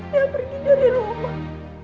dia pergi cari rumah